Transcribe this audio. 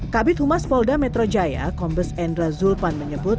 kabit humas polda metro jaya kombes endra zulpan menyebut